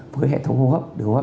với hệ thống hô hấp